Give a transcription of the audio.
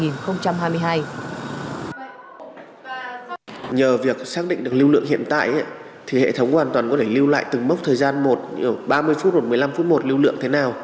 nhờ việc xác định được lưu lượng hiện tại thì hệ thống hoàn toàn có thể lưu lại từng mốc thời gian một ba mươi phút hoặc một mươi năm phút một lưu lượng thế nào